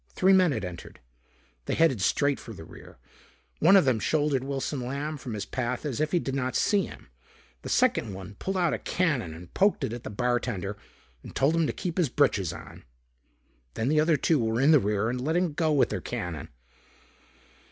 Three men had entered. They headed straight for the rear. One of them shouldered Wilson Lamb from his path as if he did not see him. The second one pulled out a cannon and poked it at the bartender and told him to keep his britches on. Then the other two were in the rear and letting go with their cannon.